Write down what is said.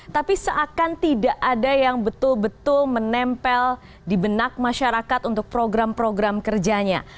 tapi seakan tidak ada yang betul betul menempel di benak masyarakat untuk program program kerjanya